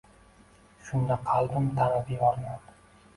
Shunda qalbim tanidi yorni.